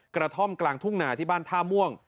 กระท่อมกลางทุ่งนาที่บ้านท่าม่วง